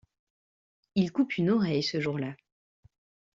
Il coupe une oreille ce jour-là.